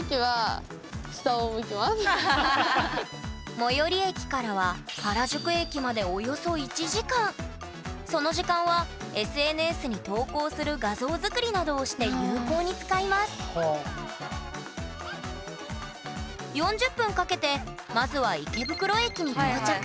最寄り駅からは原宿駅までその時間はＳＮＳに投稿する画像作りなどをして有効に使います４０分かけてまずは池袋駅に到着。